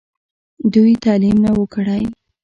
دوي تعليم نۀ وو کړی